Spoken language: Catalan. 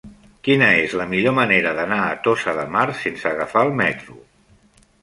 Quina és la millor manera d'anar a Tossa de Mar sense agafar el metro?